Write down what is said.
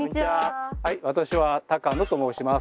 はい私は高野と申します。